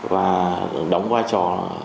và đóng vai trò